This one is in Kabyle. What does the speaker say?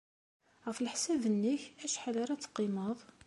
Ɣef leḥsab-nnek, acḥal ara teqqimeḍ?